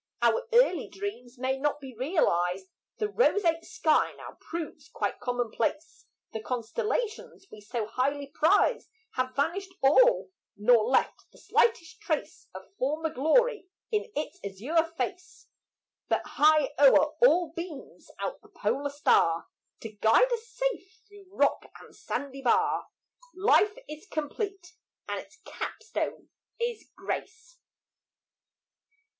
Our early dreams may not be realized; The roseate sky now proves quite commonplace; The constellations we so highly prized Have vanished all nor left the slightest trace Of former glory in its azure face, But high o'er all beams out the polar star To guide us safe through rock and sandy bar; Life is complete and its cap stone is grace.